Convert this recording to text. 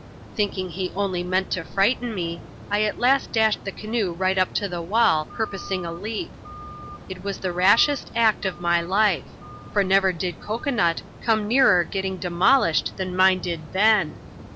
Thinking he only meant to frighten me, I at last dashed the canoe right up to the wall, purposing a leap. It was the rashest act of my life ; for never did cocoa nut come nearer getting demolished than mine did then.